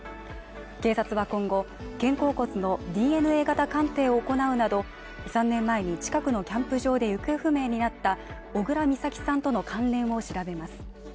警察は今後、肩甲骨のＤＮＡ型鑑定を行うなど、３年前に近くのキャンプ場で行方不明になった小倉美咲さんとの関連を、調べます。